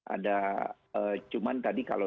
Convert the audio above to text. ada cuman tadi kalau